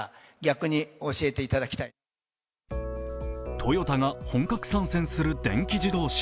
トヨタが本格参戦する電気自動車。